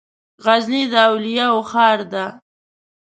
غزني د اولياوو ښار ده